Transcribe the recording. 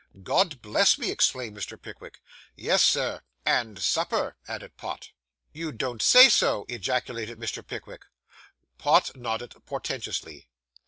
'God bless me!' exclaimed Mr. Pickwick. 'Yes, Sir, and supper,' added Pott. 'You don't say so!' ejaculated Mr. Pickwick. Pott nodded portentously.